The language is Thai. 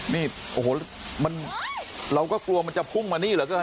นี่โอ้โหเราก็กลัวมันจะพุ่งมานี่เหลือเกิน